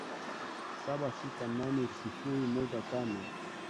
saba sita nne sifuri moja tano